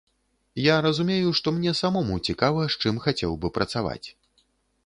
Я разумею, што мне самому цікава, з чым хацеў бы працаваць.